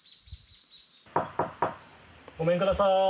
ごめんください。